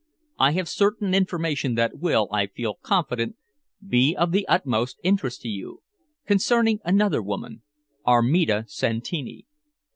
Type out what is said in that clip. I have certain information that will, I feel confident, be of the utmost interest to you concerning another woman, Armida Santini."